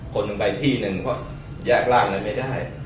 ผมไปที่นึงแยกร่างเลยไม่ได้